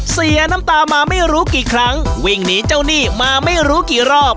เสียน้ำตามาไม่รู้กี่ครั้งวิ่งหนีเจ้าหนี้มาไม่รู้กี่รอบ